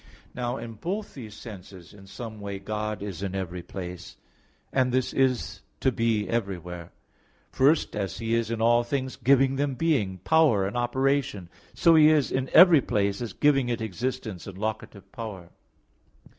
Now in both these senses, in some way God is in every place; and this is to be everywhere. First, as He is in all things giving them being, power and operation; so He is in every place as giving it existence and locative power.